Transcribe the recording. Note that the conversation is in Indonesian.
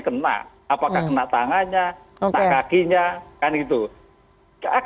makanya sekarang ada agendanya networking games slowly scent kayaknya yang bicara tentang